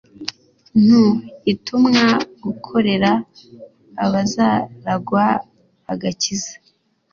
ntu itumwa gukorera abazaragwa a agakiza